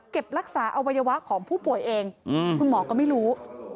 รักษาอวัยวะของผู้ป่วยเองคุณหมอก็ไม่รู้